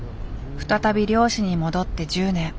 再び漁師に戻って１０年。